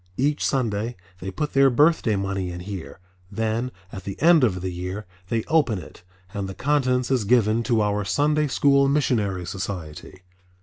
Each Sunday they put their birthday money in here, then at the end of the year they open it and the contents is given to our Sunday School Missionary Society.